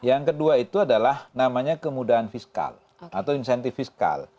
yang kedua itu adalah namanya kemudahan fiskal atau insentif fiskal